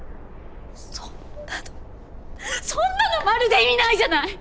そんなのそんなのまるで意味ないじゃない！